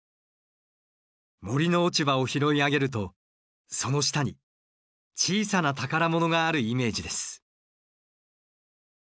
森の落ち葉を拾い上げるとその下に小さな宝物があるイメージです。